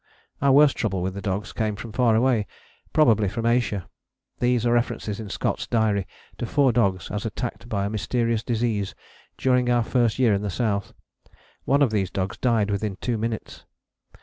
Our worst trouble with the dogs came from far away probably from Asia. There are references in Scott's diary to four dogs as attacked by a mysterious disease during our first year in the South: one of these dogs died within two minutes.